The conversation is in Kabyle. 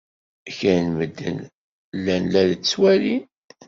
Kra n medden llan la d-ttwalin.